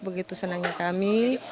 begitu senangnya kami